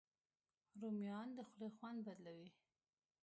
رومیان د خولې خوند بدلوي